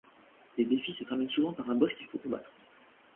Les défis se terminent souvent par un boss qu'il faut combattre.